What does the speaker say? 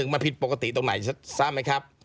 มันผิดปกติตรงไหนทราบไหมครับ